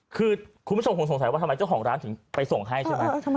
คือคุณผู้ชมคงสงสัยว่าทำไมเจ้าของร้านถึงไปส่งให้ใช่ไหม